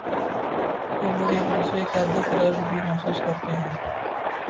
کہ وہ ایک دوسرے کا دکھ درد بھی محسوس کرتے ہیں ۔